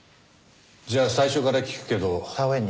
じゃあ最初から聞くけど。